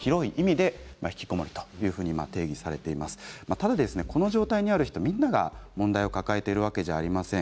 ただこの状態にある人みんなが問題を抱えているわけではありません。